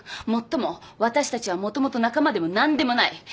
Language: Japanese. もっとも私たちはもともと仲間でも何でもない。